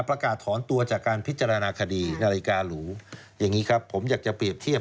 ประกาศถอนตัวจากการพิจารณาคดีนาฬิกาหรูอย่างนี้ครับผมอยากจะเปรียบเทียบ